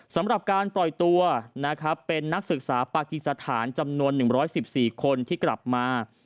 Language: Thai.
สำหรับการปล่อยตัวนะครับเป็นนักศึกษาปากีสถานจำนวน๑๑๔คนที่กลับมา